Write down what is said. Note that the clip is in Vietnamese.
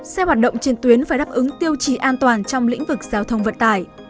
xe hoạt động trên tuyến phải đáp ứng tiêu chí an toàn trong lĩnh vực giao thông vận tải